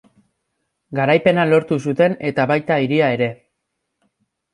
Garaipena lortu zuten eta baita hiria ere.